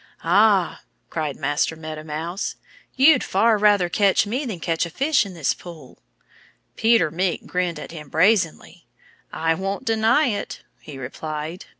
"Ah!" cried Master Meadow Mouse. "You'd far rather catch me than catch a fish in this pool." Peter Mink grinned at him brazenly. "I won't deny it," he replied.